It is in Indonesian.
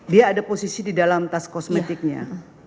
dia ada posisi di dalam tas kosmetiknya